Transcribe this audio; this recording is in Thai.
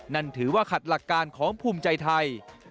นั่นถือว่าขัดหลักการของภูมิใจไทย